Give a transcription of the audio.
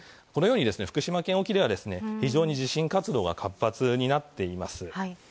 このように福島県沖では非常に地震活動が活発になっています。